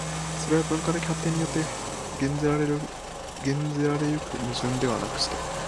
それは文化発展によって減ぜられ行く矛盾ではなくして、